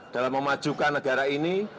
dalam memajukan negara ini